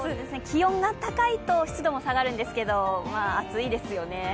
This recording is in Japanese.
気温が高いと湿度も下がるんですが、暑いですよね。